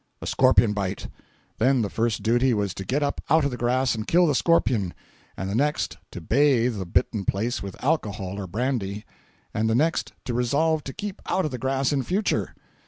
A scorpion bite. Then the first duty was to get up out of the grass and kill the scorpion; and the next to bathe the bitten place with alcohol or brandy; and the next to resolve to keep out of the grass in future.